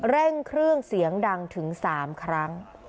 เร่งเครื่องเสียงดังถึง๓ครั้ง